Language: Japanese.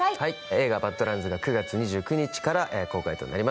映画『ＢＡＤＬＡＮＤＳ』が９月２９日から公開となります。